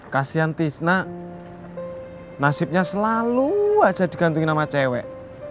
kasian tisna nasibnya selalu aja digantungin sama cewek